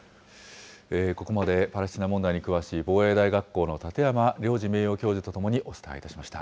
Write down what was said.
ここまでパレスチナ問題に詳しい防衛大学校の立山良司名誉教授と共にお伝えいたしました。